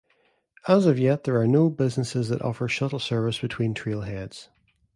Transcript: As of yet there are no businesses that offer shuttle service between trailheads.